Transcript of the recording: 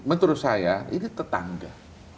menurut saya ini tetangga